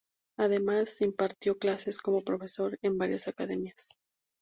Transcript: Además, impartió clases como profesor en varias academias.